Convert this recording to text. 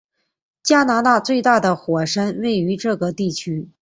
加拿大最大的火山位于这个地区。